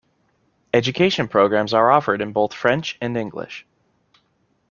Education programs are offered in both French and English.